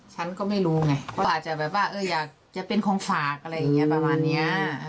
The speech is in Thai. ฉันก็ไม่รู้ไงว่าอาจจะแบบว่าอยากจะเป็นของฝากอะไรอย่างนี้ประมาณนี้